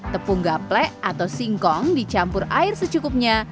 tepung gaplek atau singkong dicampur air secukupnya